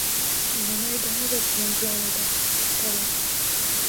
معنا یې دا نه ده چې منځلاره ډله ده.